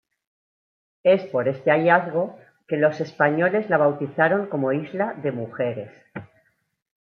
Es por este hallazgo que los españoles la bautizaron como Isla de Mujeres.